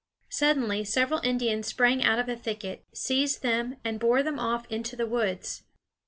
Suddenly several Indians sprang out of a thicket, seized them, and bore them off into the woods.